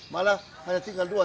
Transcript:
malah hanya tinggal dua tiga juta